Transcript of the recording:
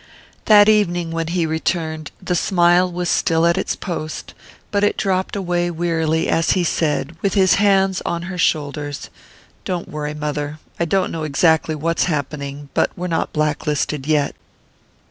That evening, when he returned, the smile was still at its post; but it dropped away wearily as he said, with his hands on her shoulders: "Don't worry, mother; I don't know exactly what's happening, but we're not blacklisted yet."